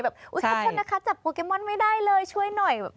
แบบอุ๊ยขอโทษนะคะจับโปรแกโมนไม่ได้เลยช่วยหน่อย